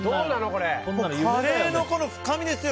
カレーの深みですよ